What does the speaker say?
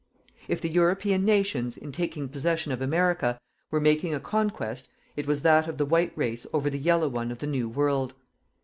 If the European nations, in taking possession of America, were making a conquest, it was that of the white race over the yellow one of the New World.